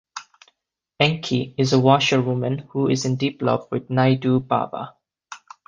'Enki' is a washer-woman who is in deep love with 'Naidu Bava'.